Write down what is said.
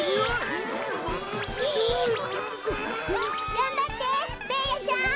がんばってベーヤちゃん。